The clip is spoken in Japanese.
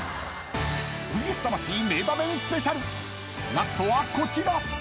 ［ラストはこちら］